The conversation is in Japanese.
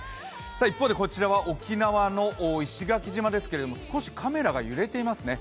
一方で、こちらは沖縄の石垣島ですけども、少しカメラが揺れていますね。